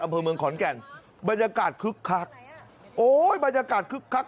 อำเภอเมืองขอนแก่นบรรยากาศคึกคักโอ้ยบรรยากาศคึกคัก